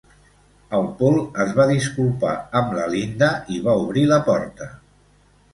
El Paul es va disculpar amb la Linda i va obrir la porta.